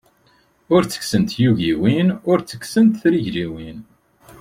Ur tekksent tyugiwin, ur tekksent trigliwin.